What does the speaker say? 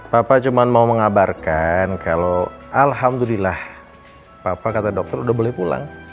papa cuma mau mengabarkan kalau alhamdulillah papa kata dokter udah boleh pulang